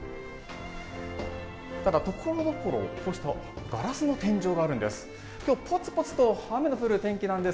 ただ、ところどころこうしたガラスの天井があるんです。